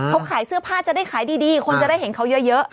เขาขายเสื้อผ้าจะได้ขายดีคนจะได้เห็นเขาเยอะ